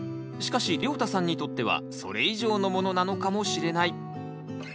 しかしりょうたさんにとってはそれ以上のものなのかもしれない。